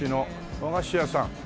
和菓子屋さん。